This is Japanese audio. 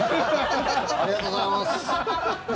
ありがとうございます。